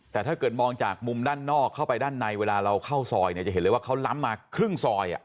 แต่ถ้าเกิดมองจากมุมด้านนอกเข้าไปด้านในเวลาเราเข้าซอยเนี่ยจะเห็นเลยว่าเขาล้ำมาครึ่งซอย